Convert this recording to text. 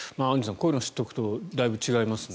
こういうのを知っておくとだいぶ違いますね。